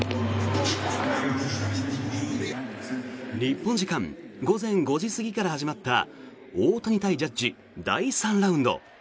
日本時間午前５時過ぎから始まった大谷対ジャッジ、第３ラウンド。